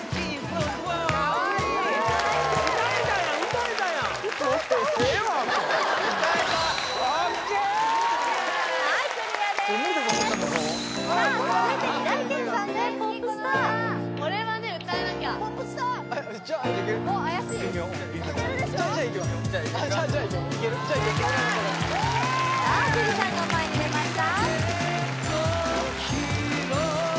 イエーイさあ樹さんが前に出ました